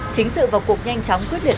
chính sự vào cuộc nhanh chóng quyết liệt